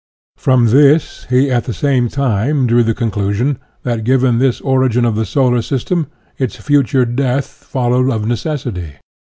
From this he at the same time drew the conclusion that, given this origin of the solar system, its future death followed of necessity.